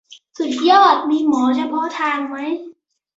สุดยอด มีหมอเฉพาะทางไหม ?